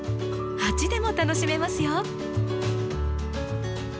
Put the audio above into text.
鉢でも楽しめますよ。